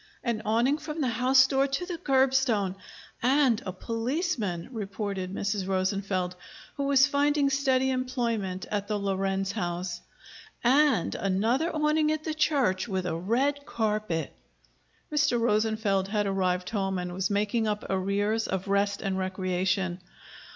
"An awning from the house door to the curbstone, and a policeman!" reported Mrs. Rosenfeld, who was finding steady employment at the Lorenz house. "And another awning at the church, with a red carpet!" Mr. Rosenfeld had arrived home and was making up arrears of rest and recreation.